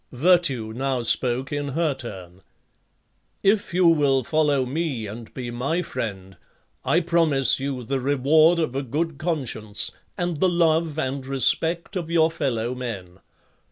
Virtue now spoke in her turn: "If you will follow me and be my friend, I promise you the reward of a good conscience, and the love and respect of your fellowmen.